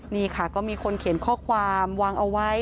นี่ค่ะก็มีคนเขียนข้อความวางเอาไว้